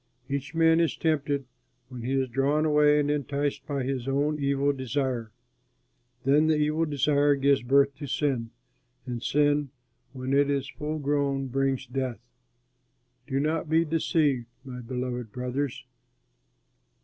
Each man is tempted when he is drawn away and enticed by his own evil desire. Then the evil desire gives birth to sin, and sin, when it is full grown, brings death. Do not be deceived, my beloved brothers.